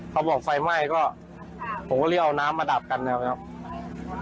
เขาบอกไฟไหม้ก็ผมก็เลยเอาน้ำมาดับกันนะครับ